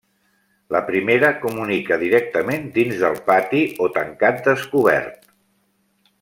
La primera comunica directament dins del pati o tancat descobert.